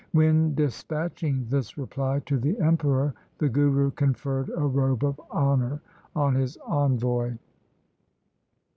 When dispatching this reply to the emperor the Guru conferred a robe of honour on his envoy.